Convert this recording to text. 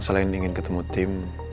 selain ingin ketemu tim